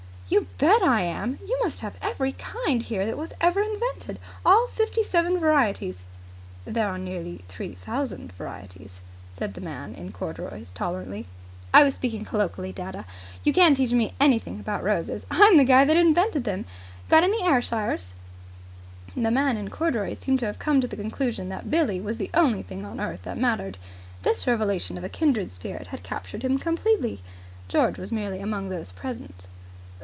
"You bet I am! You must have every kind here that was ever invented. All the fifty seven varieties." "There are nearly three thousand varieties," said the man in corduroys tolerantly. "I was speaking colloquially, dadda. You can't teach me anything about roses. I'm the guy that invented them. Got any Ayrshires?" The man in corduroys seemed to have come to the conclusion that Billie was the only thing on earth that mattered. This revelation of a kindred spirit had captured him completely. George was merely among those present.